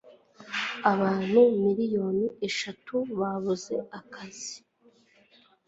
abantu miliyoni eshatu babuze akazi